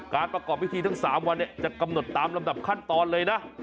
ประกอบพิธีทั้ง๓วันจะกำหนดตามลำดับขั้นตอนเลยนะ